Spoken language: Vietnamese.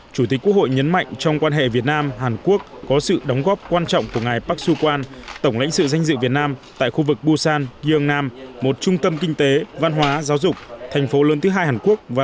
chủ tịch quốc hội nhấn mạnh trong quan hệ việt nam hàn quốc có sự đóng góp quan trọng của ngài park su quan tổng lãnh sự danh dự việt nam tại khu vực busan gieong nam một trung tâm kinh tế văn hóa giáo dục thành phố lớn thứ hai hàn quốc